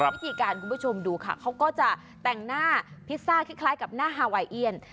วิธีการคุณผู้ชมดูค่ะเขาก็จะแต่งหน้าพิซซ่าคล้ายกับหน้าฮาไวเอียน